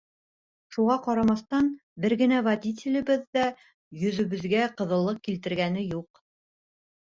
Шуға ҡарамаҫтан, бер генә водителебеҙ ҙә йөҙөбөҙгә ҡыҙыллыҡ килтергәне юҡ.